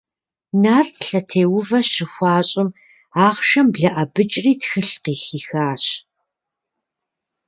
Нарт лъэтеувэ щыхуащӏым, ахъшэм блэӏэбыкӏри тхылъ къыхихащ.